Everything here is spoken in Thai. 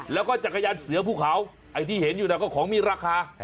แล้วก็จักรยานเสือภูเขาไอ้ที่เห็นอยู่นะก็ของมีราคา